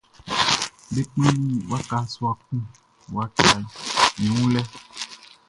Be kplannin waka sua kun wakaʼn i wun lɛ.